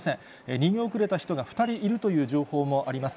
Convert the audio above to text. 逃げ遅れた人が２人いるという情報もあります。